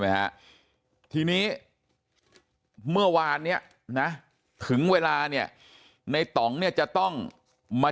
ไหมฮะทีนี้เมื่อวานเนี่ยนะถึงเวลาเนี่ยในต่องเนี่ยจะต้องมา